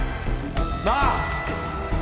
なあ！？